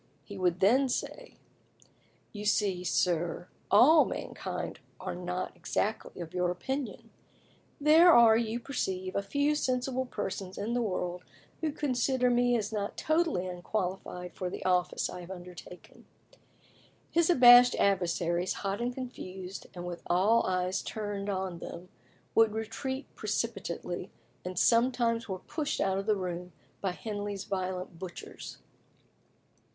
He would then say, "You see, sir, all mankind are not exactly of your opinion; there are, you perceive, a few sensible persons in the world who consider me as not totally unqualified for the office I have undertaken." His abashed adversaries, hot and confused, and with all eyes turned on them, would retreat precipitately, and sometimes were pushed out of the room by Henley's violent butchers.